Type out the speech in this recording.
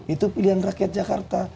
itu pilihan rakyat jakarta